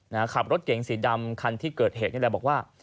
ขับรถเก๋งสีดำคันที่เกิดเหตุนี่แหละบอกว่า